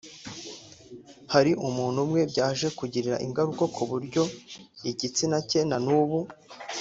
Hari umuntu umwe byaje kugirira ingaruka kuburyo igitsina cye na n’ubu